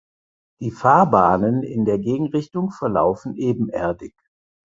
Die Fahrbahnen in der Gegenrichtung verlaufen ebenerdig.